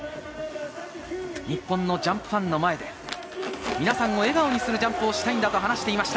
日本のジャンプファンの前で、皆さんを笑顔にするジャンプをしたいと話していました。